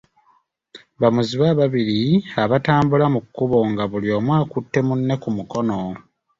Bamuzibe ababiri abatambula mu kkubo nga buli omu akutte munne ku mukono.